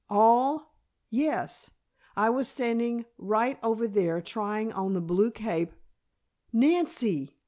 "All?" "Yes. I was standing right over there trying on the blue cape " "Nancy!